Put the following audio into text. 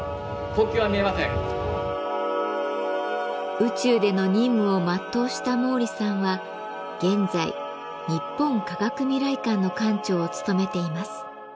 宇宙での任務を全うした毛利さんは現在日本科学未来館の館長を務めています。